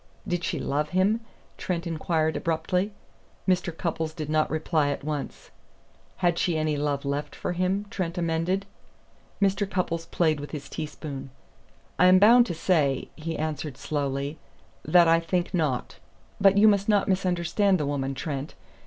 "Did she love him?" Trent inquired abruptly. Mr. Cupples did not reply at once. "Had she any love left for him?" Trent amended. Mr. Cupples played with his teaspoon. "I am bound to say," he answered slowly, "that I think not. But you must not misunderstand the woman, Trent.